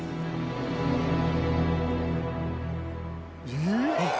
えっ？